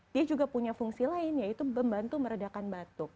dia juga punya fungsi lain yaitu membantu meredakan batuk